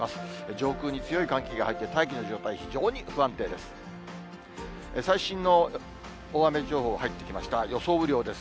上空に強い寒気がはいって、大気の状態、非常に不安定です。